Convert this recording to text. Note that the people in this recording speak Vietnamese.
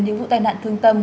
những vụ tai nạn thương tâm